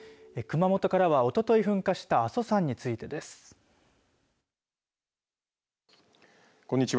熊本からは、おととい噴火した阿蘇山についてです。こんにちは。